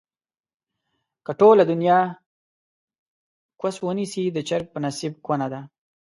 که ټوله دنياکوس ونسي ، د چرگ په نصيب کونه ده